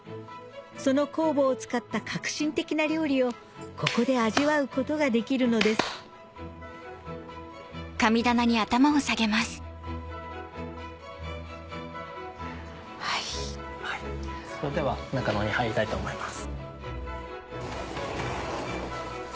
その酵母を使った革新的な料理をここで味わうことができるのですそれでは中の方に入りたいと思います。